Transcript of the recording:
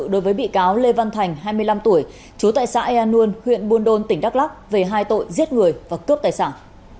đối với bị cáo lê văn thành hai mươi năm tuổi chú tại xã eanun huyện buôn đôn tỉnh đắk lắc về hai tội giết người và cướp tài sản